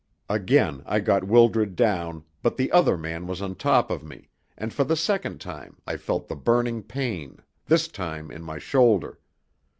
Again I got Wildred down, but the other man was on top of me, and for the second time I felt the burning pain, this time in my shoulder.